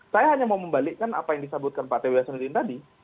saya hanya mau membalikkan apa yang disambutkan pak tbs dan dpr tadi